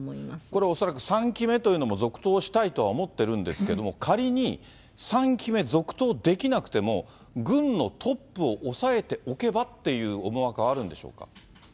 これ恐らく、３期目というのも続投したいとは思ってるんですけど、仮に３期目続投できなくても、軍のトップを押さえておけばっていう思惑があるんでしょうか。